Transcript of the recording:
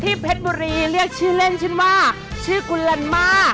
เพชรบุรีเรียกชื่อเล่นฉันว่าชื่อกุลันม่า